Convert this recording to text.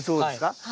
はい。